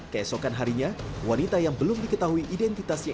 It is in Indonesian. keesokan harinya wanita yang belum diketahui identitasnya